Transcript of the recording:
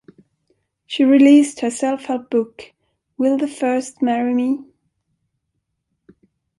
She released her self-help book Will the First Marry Me?